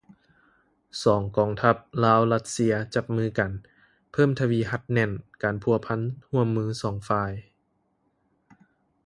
ສອງກອງທັບ ລາວຣັດເຊຍ ຈັບມືກັນ ເພີ່ມທະວີຮັດແໜ້ນການພົວພັນຮ່ວມມືສອງຝ່າຍ